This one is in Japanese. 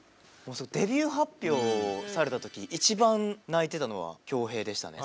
デビュー発表された時一番泣いてたのは恭平でしたね。